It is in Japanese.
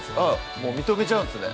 もう認めちゃうんですね